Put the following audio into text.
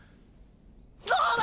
どうだ！